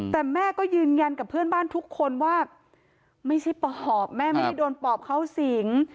แต่แม่ก็ยืนยันกับเพื่อนบ้านทุกคนว่าไม่ใช่ปอบแม่ไม่ได้โดนปอบเข้าสิง